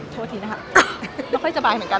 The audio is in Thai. โทษทีได้ไม่ค่อยแบบหวายเหมือนกัน